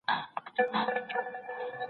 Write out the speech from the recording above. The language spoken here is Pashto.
ایا ته په دې اړه کوم بل نظر لرې؟